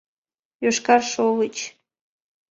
Йошкар шовыч, —